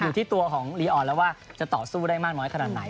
อยู่ที่ตัวของลีออนแล้วว่าจะต่อสู้ได้มากน้อยขนาดไหน